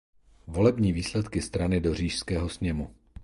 Volební výsledky strany do Říšského sněmu.